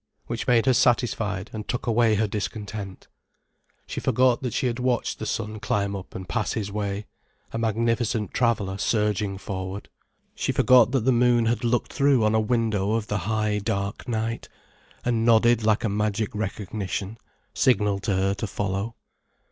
Which made her satisfied and took away her discontent. She forgot that she had watched the sun climb up and pass his way, a magnificent traveller surging forward. She forgot that the moon had looked through a window of the high, dark night, and nodded like a magic recognition, signalled to her to follow.